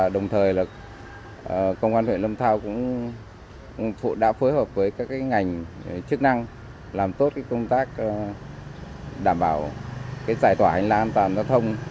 đồng thời công an huyện lâm thao cũng đã phối hợp với các ngành chức năng làm tốt công tác đảm bảo giải thoại an toàn giao thông